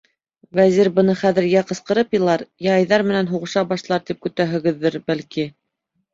Вәзир бына хәҙер йә ҡысҡырып илар, йә Айҙар менән һуғыша башлар тип көтәһегеҙҙер, бәлки.